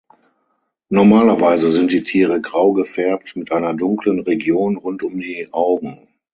Normalerweise sind die Tiere grau gefärbt mit einer dunklen Region rund um die Augen.